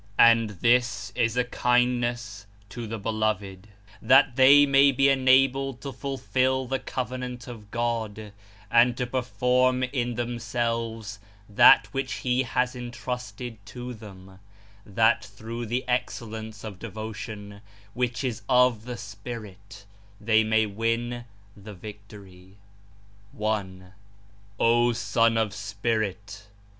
And this is a kindness to the Beloved, that they may be enabled to fulfil the Covenant of God and to perform in themselves that which He has entrusted to them, that through the excellence of devotion, which is of the Spirit, they may win the Victory. [R] 1. O SON OF SPIRIT!